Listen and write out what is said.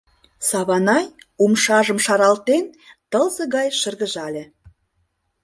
Саванай, умшажым шаралтен, тылзе гай шыргыжале.